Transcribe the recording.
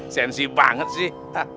sensi banget sih